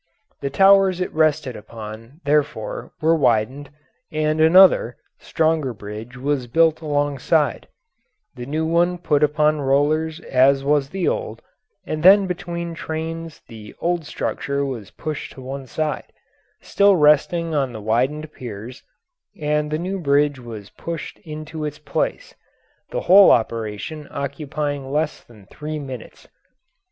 The towers it rested upon, therefore, were widened, and another, stronger bridge was built alongside, the new one put upon rollers as was the old, and then between trains the old structure was pushed to one side, still resting on the widened piers, and the new bridge was pushed into its place, the whole operation occupying less than three minutes.